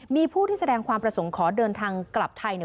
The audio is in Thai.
มีผู้ที่แสดงความประสงค์ขอเดินทางกลับไทยเนี่ย